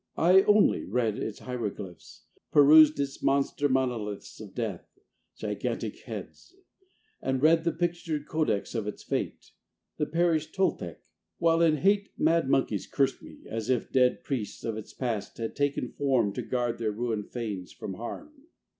I only read its hieroglyphs, Perused its monster monoliths Of death, gigantic heads; and read The pictured codex of its fate, The perished Toltec; while in hate Mad monkeys cursed me, as if dead Priests of its past had taken form To guard their ruined fanes from harm.